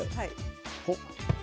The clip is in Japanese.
ほっ！